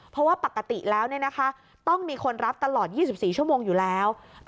เพราะว่าปกติแล้วต้องมีคนรับตลอด๒๔ชั่วโมงอยู่แล้ว